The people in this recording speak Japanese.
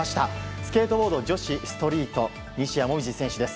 スケートボード女子ストリート西矢椛選手です。